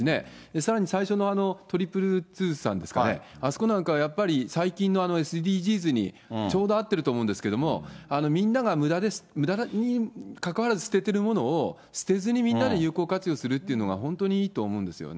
さらに最初の２２２さんですかね、あそこなんかはやっぱり最近のＳＤＧｓにちょうど合ってると思うんですけど、みんながむだにかかわらず捨ててるものを捨てずにみんなで有効活用するっていうのは、本当にいいと思うんですよね。